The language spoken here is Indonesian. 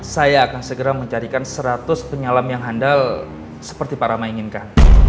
saya akan segera mencarikan seratus penyelam yang handal seperti pak rama inginkan